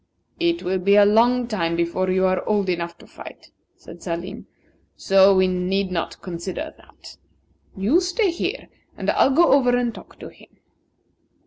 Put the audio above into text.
"It will be a long time before you are old enough to fight," said Salim; "so we need not consider that. You stay here, and I'll go over and talk to him."